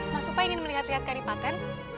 mas supa ingin melihat lihat kadipaten